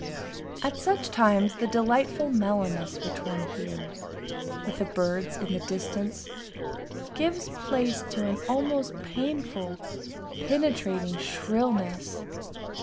At such times the delightful mellowness which one hears, with the birds in the distance, gives place to an almost painful, penetrating shrillness.